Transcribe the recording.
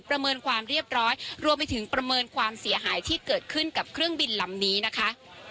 ประเมินความเรียบร้อยรวมไปถึงประเมินความเสียหายที่เกิดขึ้นกับเครื่องบินลำนี้นะคะ